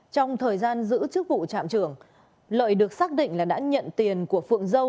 trong thời gian giữ chức vụ trạm trưởng lợi được xác định là đã nhận tiền của phượng dâu